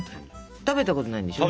食べたことないんでしょ？